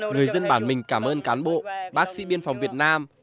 người dân bản mình cảm ơn cán bộ bác sĩ biên phòng việt nam